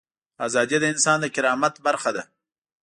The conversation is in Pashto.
ازادي د انسان د کرامت برخه ده.